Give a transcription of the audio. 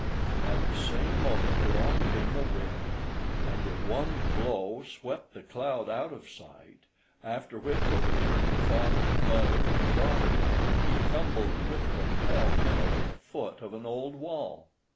At the same moment along came the wind, and with one blow swept the cloud out of sight, after which, overturning father, mother, and daughter, he tumbled with them, pell mell, at the foot of an old wall.